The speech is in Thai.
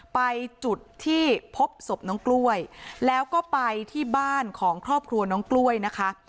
ไปจุดที่พบศพน้องกล้วยแล้วก็ไปที่บ้านของครอบครัวน้องกล้วยนะคะ